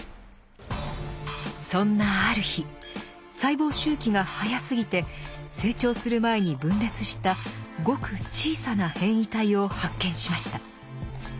そんなある日細胞周期が速すぎて成長する前に分裂したごく小さな変異体を発見しました。